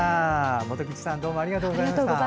元吉さんどうもありがとうございました。